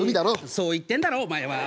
そう言ってんだろお前は。